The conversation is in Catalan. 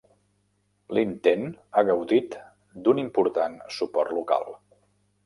L'intent ha gaudit d'un important suport local.